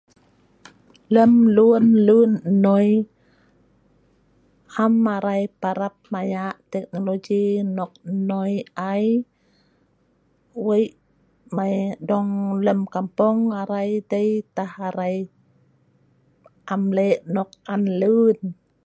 lem lun lun noi, am arai parap maya' teknologi nok noi ai, wei' mai dong lem kampung arai dei tah arai am lek nok an lun